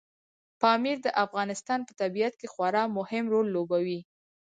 پامیر د افغانستان په طبیعت کې خورا مهم رول لوبوي.